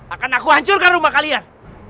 akan aku hancurkan rumah kalian